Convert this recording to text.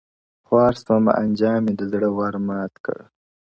خوارسومه انجام مي د زړه ور مـات كړ،